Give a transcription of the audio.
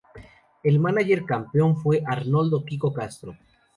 El mánager campeón fue Arnoldo "Kiko" Castro.